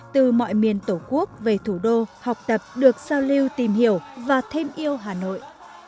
từ mọi miền tổ quốc về thủ đô học tập được giao lưu tìm hiểu và thêm yêu hà nội